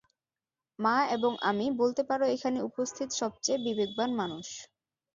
মা এবং আমি বলতে পারো এখানে উপস্থিত সবচেয়ে বিবেকবান মানুষ।